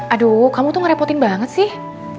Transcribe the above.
aduh kamu tuh ngerepotin banget sih